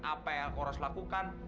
apa yang aku harus lakukan